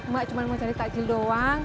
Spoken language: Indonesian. mbak cuma mau cari takjil doang